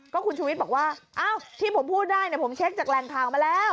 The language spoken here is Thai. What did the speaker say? คุณชูวิทย์บอกว่าอ้าวที่ผมพูดได้ผมเช็คจากแหล่งข่าวมาแล้ว